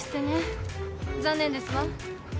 残念ですわ。